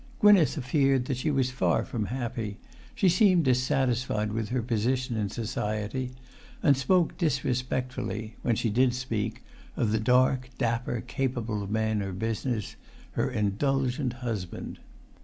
Gwynneth feared that she was far from happy; she seemed dissatisfied with her position in society, and spoke disrespectfully (when she did speak) of the dark, dapper, capable man of business, her indulgent husband.